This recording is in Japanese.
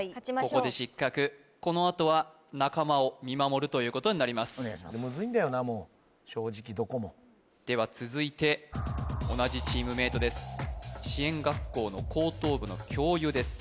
ここで失格このあとは仲間を見守るということになりますお願いしますでは続いて同じチームメートです支援学校の高等部の教諭です